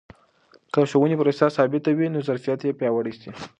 که د ښوونې پروسه ثابته وي، نو ظرفیت به پیاوړی سي.